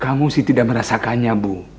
kamu sih tidak merasakannya bu